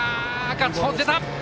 ガッツポーズ出た。